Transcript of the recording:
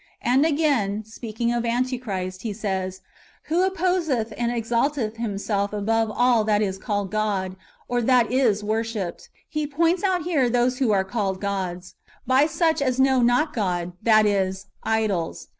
And again, speaking of Antichrist, he says, " who opposeth and exalteth himself above all that is called God, or that is w^orshipped."^ He points out here those who are called gods, by such as know not God, that is, idols.